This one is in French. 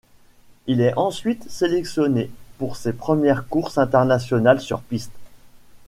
Il est ensuite sélectionné pour ses premières courses internationales sur piste.